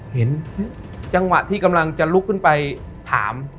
เห็นจังหวะที่กำลังจะลุกขึ้นไปถาม